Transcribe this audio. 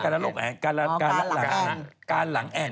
การละโลกแอ่นไม่ใช่การละโลกแอ่นการหลังแอ่น